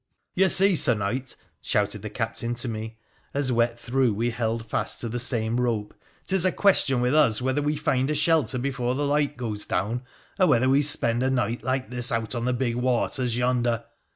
'You see, Sir Knight,' shouted the captain to me, as, wet through, we held fast to the same rope —' 'tis a question with us whether we find a shelter before the light goes down, or whether we spend a night like this out on the bigwaters yonder.'